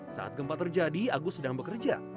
saat gempa terjadi agus sedang bekerja